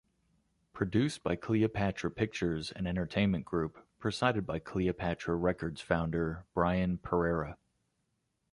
Produced by Cleopatra Pictures and Entertainment Group, presided by Cleopatra Records founder Brian Perera.